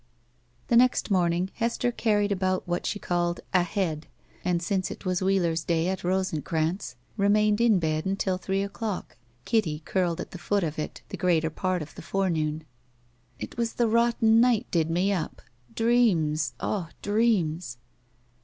The next morning Hester carried about what she called "a head," and, since it was Wheeler's day at Rosencranz, remained in bed until three o'clock, Kitty curled at the foot of it the greater part of the forenoon. "It was the rotten night did me up. Dreams! Ugh! dreams!"